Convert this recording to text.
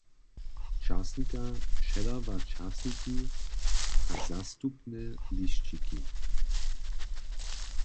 Časnikar předawa časniki a zastupne lisćiki.